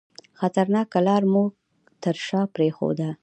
خطرناکه لار مو تر شاه پرېښوده.